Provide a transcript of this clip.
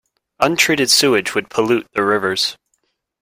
Untreated sewage would pollute the rivers.